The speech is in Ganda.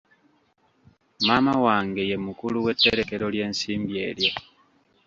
Maama wange ye mukulu w'etterekero ly'ensimbi eryo.